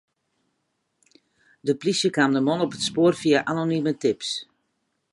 De plysje kaam de man op it spoar fia anonime tips.